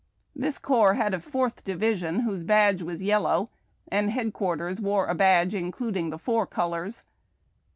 " This corps had a fourth division, whose badge was yellow, and headquarters wore a badge in cluding the four colors.